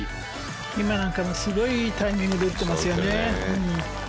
今なんかもすごいいいタイミングで打ってますよね。